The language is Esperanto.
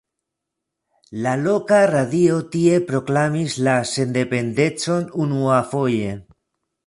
La loka radio tie proklamis la sendependecon unuafoje.